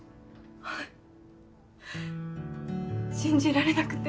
あっ信じられなくて。